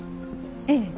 ええ。